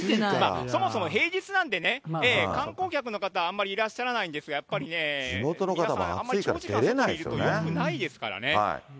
そもそも平日なんでね、観光客の方、あんまりいらっしゃらないんですが、やっぱりね、皆さん、あんまり長時間出るのはよくないですからね。